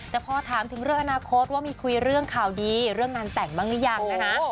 แต่พอถามถึงเรื่องอนาคตว่ามีคุยเรื่องข่าวดีเรื่องงานแต่งบ้างหรือยังนะคะ